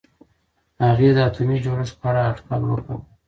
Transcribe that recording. هغې د اتومي جوړښت په اړه اټکل وکړ.